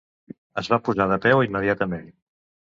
Es va posar de peu immediatament.